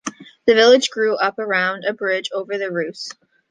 The village grew up around a bridge over the Reuss.